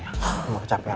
mama cuma kecapean